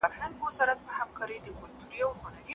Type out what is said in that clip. په شرنګ د الاهو نشه انسان به بدل نه سي